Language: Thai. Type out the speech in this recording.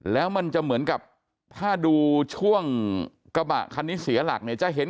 แล้วมันจะเหมือนกับถ้าดูช่วงกระบะคันนี้เสียหลักเนี่ยจะเห็น